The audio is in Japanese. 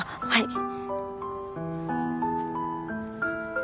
はい。